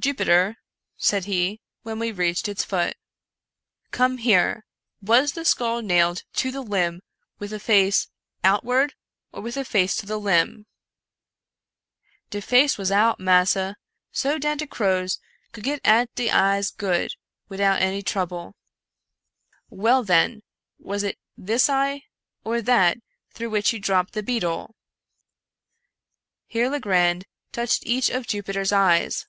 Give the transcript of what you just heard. " Jupiter," said he, when we reached its foot, " come here ! was the skull nailed to the limb with the face out ward, or with the face to the limb ?"" De face was out, massa, so dat de crows could get at de eyes good, widout any trouble." " Well, then, was it this eye or that through which you dropped the beetle ?" here Legrand touched each of Jupi ter's eyes.